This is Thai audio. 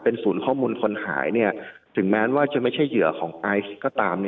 ศูนย์ข้อมูลคนหายถึงแม้ว่าจะไม่ใช่เหยื่อของไอซ์ก็ตาม